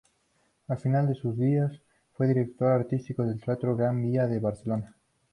Al final de sus días fue director artístico del teatro Gran Vía de Barcelona.